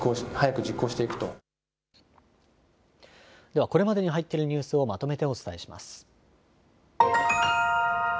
ではこれまでに入っているニュースをまとめてお伝えします。